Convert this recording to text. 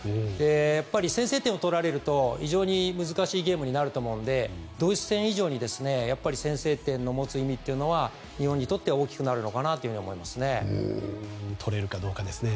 やっぱり先制点を取られると非常に難しいゲームになると思うのでドイツ戦以上に先制点が持つ意味というのは日本にとって大きくなるのかなと思いますね。